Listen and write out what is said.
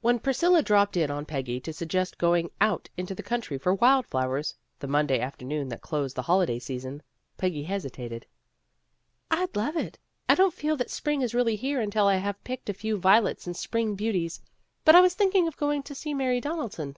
When Priscilla dropped in on Peggy to suggest going out into the country for wild flowers, the Monday afternoon that closed the holiday season, Peggy hesitated. "I'd love it. I don't feel that spring is really here until I have picked a few violets and spring beauties. But I was thinking of going to see Mary Donaldson."